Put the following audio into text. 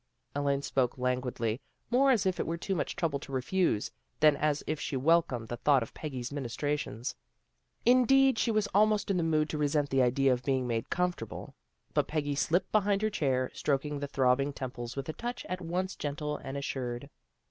Elaine spoke languidly, more as if it were too much trouble to refuse than as if she welcomed the thought of Peggy's ministrations. Indeed she was almost in the mood to resent the idea of being made com fortable. But Peggy slipped behind her chair, stroking the throbbing temples with a touch at once gentle and assured.